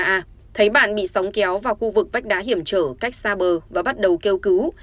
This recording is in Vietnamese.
a thấy bạn bị sóng kéo vào khu vực vách đá hiểm trở cách xa bờ và bắt đầu kêu cứu